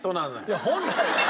いや本来。